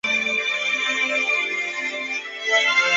能达到这种理想境界便无所不能为。